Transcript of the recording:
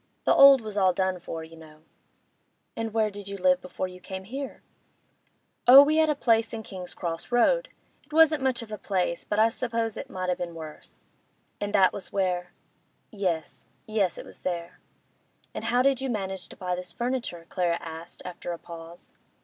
The old was all done for, you know.' 'And where did you live before you came here?' 'Oh, we had a place in King's Cross Road—it wasn't much of a place, but I suppose it might a' been worse.' 'And that was where—?' 'Yes—yes—it was there.' 'And how did you manage to buy this furniture?' Clara asked, after a pause.